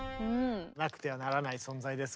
なくてはならない存在です